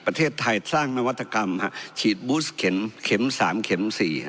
ประเทศไทยสร้างนวัตกรรมฉีดบูสเข็ม๓เข็ม๔